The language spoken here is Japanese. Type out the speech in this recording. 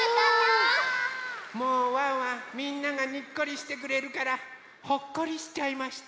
もうワンワンみんながにっこりしてくれるからほっこりしちゃいました。